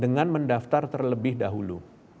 pengen mendaftar terlebih dahulu